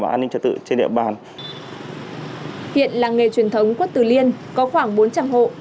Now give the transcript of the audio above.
bảo an ninh trật tự trên địa bàn hiện làng nghề truyền thống quất tứ liên có khoảng bốn trăm linh hộ